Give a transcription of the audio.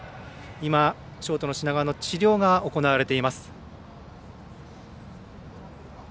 ショートの品川の治療が行われています。